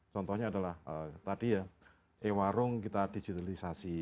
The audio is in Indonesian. contohnya adalah tadi ya e warung kita digitalisasi